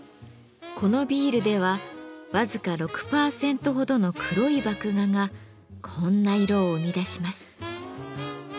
このビールではわずか６％ほどの黒い麦芽がこんな色を生み出します。